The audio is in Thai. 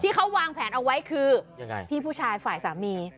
เขาวางแผนเอาไว้คือยังไงพี่ผู้ชายฝ่ายสามี